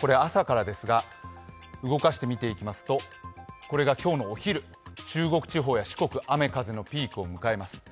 これ、朝からですが、動かして見ていきますとこれが今日のお昼、中国地方や四国、雨風のピークを迎えます。